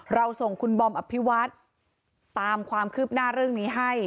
เราส่งคุณบอมอภิวัฒน์ตามความคืบหน้าเรื่องนี้ให้